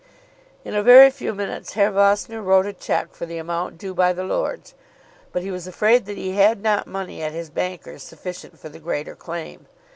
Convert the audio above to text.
In a very few minutes Herr Vossner wrote a cheque for the amount due by the lords, but he was afraid that he had not money at his banker's sufficient for the greater claim.